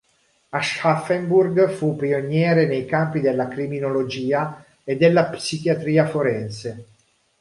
Aschaffenburg fu pioniere nei campi della criminologia e della psichiatria forense.